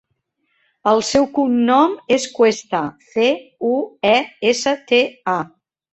El seu cognom és Cuesta: ce, u, e, essa, te, a.